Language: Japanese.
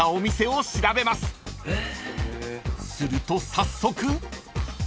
［すると早速］